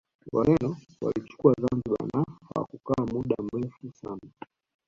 Wareno waliichukua Zanzibar na hawakukaa muda mrefu sana